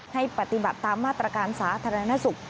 ให้ปฏิบัติตามมาตรการสาธารณสุข